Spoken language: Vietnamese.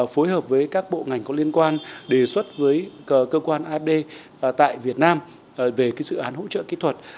phối hợp với các bộ ngành có liên quan đề xuất với cơ quan afd tại việt nam về dự án hỗ trợ kỹ thuật